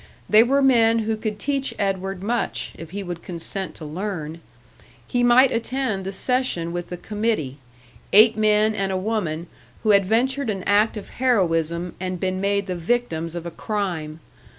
They were men who could teach Edward much, if he would consent to learn. He might attend the session with the committee eight men and a woman who had ventured an act of heroism and been made the victims of a crime.